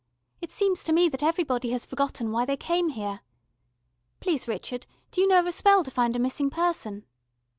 "It seems to me that everybody has forgotten why they came here. Please, Richard, do you know of a spell to find a missing person?"